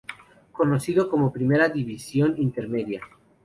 Conocido como Primera División Intermedia.